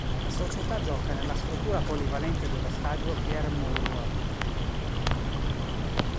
La società gioca nella struttura polivalente dello stadio Pierre-Mauroy.